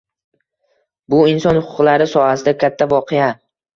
Bu inson huquqlari sohasida katta voqea.